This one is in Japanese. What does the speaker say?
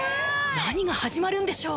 何が始まるんでしょう？